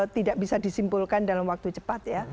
tidak bisa disimpulkan dalam waktu cepat ya